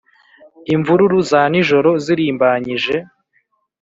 imvururu za nijoro zirimbanyije,